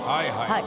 はい。